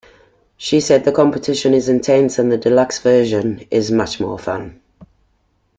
She said "the competition is intense" and the deluxe version "is much more fun.